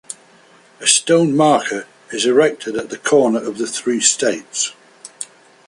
A stone marker is erected at the corner of the three states.